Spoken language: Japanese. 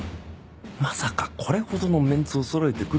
まさかこれほどのメンツをそろえてくるとは